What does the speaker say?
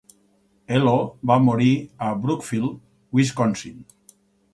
Elo va morir a Brookfield, Wisconsin.